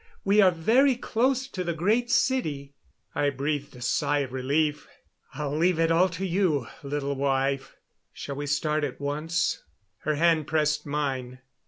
We are very close to the Great City." I breathed a sigh of relief. "I'll leave it all to you, little wife. Shall we start at once?" Her hand pressed mine.